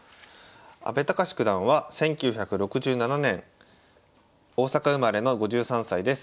阿部隆九段は１９６７年大阪生まれの５３歳です。